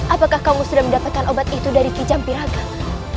apakah kamu sudah mendapatkan obat itu dari kijam piragang